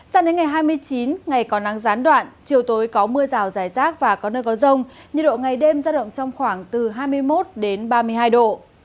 sao đến ngày hai mươi chín ngày còn nắng gián đoạn chiều tối có mưa rào rải rác và có nơi có rông nhiệt độ ngày đêm ra động trong khoảng từ hai mươi một đến ba mươi hai độ